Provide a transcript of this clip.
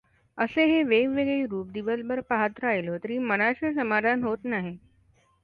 असे हे वेगवेगळे रूप दिवसभर पाहत राहिलो तरी मनाचे समाधान होत नाही.